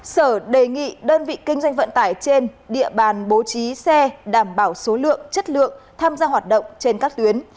sở đề nghị đơn vị kinh doanh vận tải trên địa bàn bố trí xe đảm bảo số lượng chất lượng tham gia hoạt động trên các tuyến